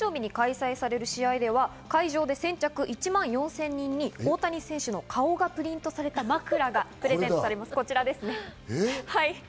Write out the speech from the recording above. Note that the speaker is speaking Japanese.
７月５日大谷選手の誕生日に開催される試合では会場で先着１万４０００人に大谷選手と顔がプリントされた枕がプレゼントされます。